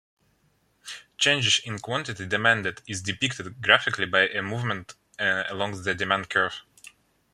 "Changes in quantity demanded" is depicted graphically by a movement along the demand curve.